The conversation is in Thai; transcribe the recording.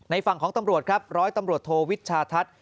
ฝั่งของตำรวจครับร้อยตำรวจโทวิชาทัศน์